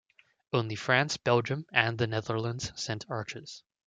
Only France, Belgium, and the Netherlands sent archers.